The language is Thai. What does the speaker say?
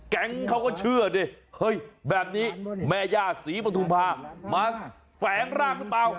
แก๊งเขาก็เชื่อดิเฮ้ยแบบนี้แม่ย่าศรีปฐุมภามาแฝงร่างหรือเปล่า